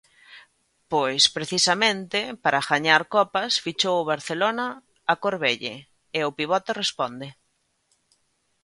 Pois precisamente para gañar copas fichou o Barcelona a Corbelle e o pivote responde.